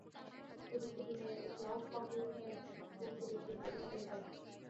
প্রযুক্তির দুনিয়ায় এই ক্লাউড কম্পিউটিংয়েই ভবিষ্যৎ দেখছে চিপ নির্মাতা ইনটেল।